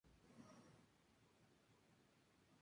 Son peces de agua dulce tropical, de hábitat tipo demersal.